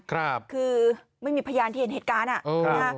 คือไม่มีพยานที่เห็นเหตุการณ์อ่ะนะฮะ